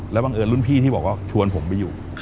บังเอิญรุ่นพี่ที่บอกว่าชวนผมไปอยู่